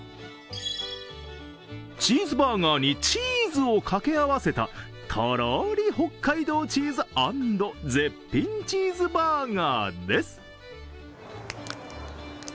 チーズバーガーにチーズを掛け合わせたとろり北海道チーズ＆絶品チーズバーガーです。